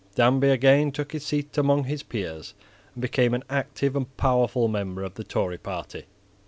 Danby again took his seat among his peers, and became an active and powerful member of the Tory party.